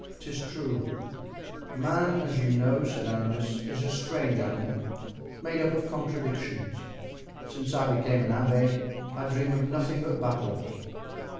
"'Tis true; man, as you know," said Aramis, "is a strange animal, made up of contradictions. Since I became an abbé I dream of nothing but battles."